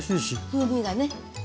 風味がね。